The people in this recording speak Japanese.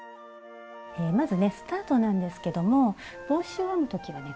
まずねスタートなんですけども帽子を編む時はね